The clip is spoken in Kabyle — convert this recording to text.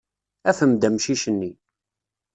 Afem-d amcic-nni.